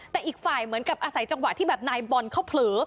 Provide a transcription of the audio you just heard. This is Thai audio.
แต่อีกฝ่ายเหมือนกับอาศัยจังหวะที่แบบนายบอลเขาเผลอ